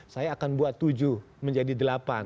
saya akan buat tujuh menjadi delapan